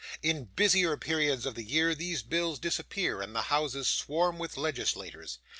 In busier periods of the year these bills disappear, and the houses swarm with legislators.